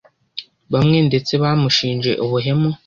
Bamwe ndetse bamushinje ubuhemu.